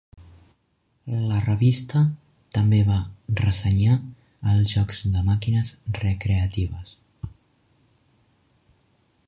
La revista també va ressenyar els jocs de màquines recreatives.